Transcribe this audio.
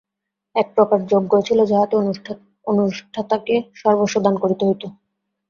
একপ্রকার যজ্ঞ ছিল, যাহাতে অনুষ্ঠাতাকে সর্বস্ব দান করিতে হইত।